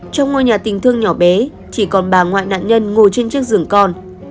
trong ngôi nhà tình thương nhỏ bé chỉ còn bà ngoại nạn nhân ngồi trên chiếc rừng con